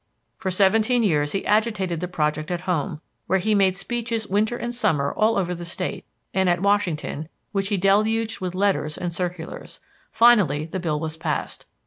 For seventeen years he agitated the project at home, where he made speeches winter and summer all over the State, and at Washington, which he deluged with letters and circulars. Finally the bill was passed.